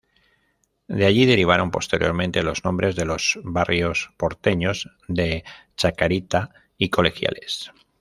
De allí derivaron posteriormente los nombres de los barrios porteños de "Chacarita" y "Colegiales".